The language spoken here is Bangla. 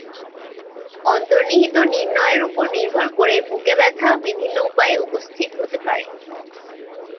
অন্তর্নিহিত নির্ণয়ের উপর নির্ভর করে বুকে ব্যথা বিভিন্ন উপায়ে উপস্থিত হতে পারে।